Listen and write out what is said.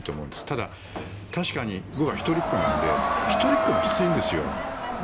でも確かに僕は一人っ子なので一人っ子もきついんですよ。